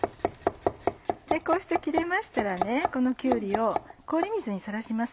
こうして切れましたらこのきゅうりを氷水にさらします。